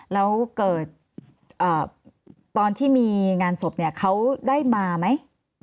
แล้วเกิดตอนที่มีงานศพเนี่ยเขาได้มาไหม